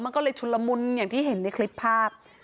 มันก็เลยชุนละมุนอย่างที่เห็นในคลิปภาพ